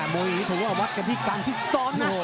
๕มุยถือว่าวัดกันที่กลางที่ซ้อนนะ